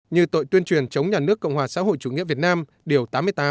như tội tuyên truyền chống nhà nước cộng hòa xã hội chủ nghĩa việt nam điều tám mươi tám